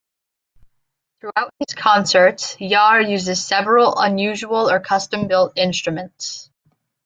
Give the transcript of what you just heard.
Throughout his concerts, Jarre uses several unusual or custom-built instruments.